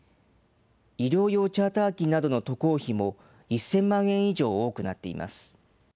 医療用チャーター機などの渡航費も１０００万円以上多くなっています。